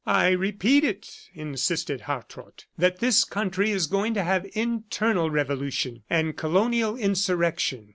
"I repeat it," insisted Hartrott, "that this country is going to have internal revolution and colonial insurrection.